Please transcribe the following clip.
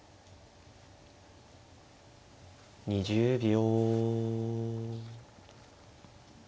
２０秒。